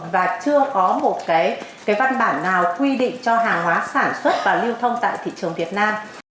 và chưa có một văn bản nào quy định cho hàng hóa sản xuất và lưu thông tại thị trường việt nam